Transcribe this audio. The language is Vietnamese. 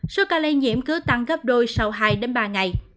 số ca lây nhiễm cứ tăng gấp đôi sau hai đến ba ngày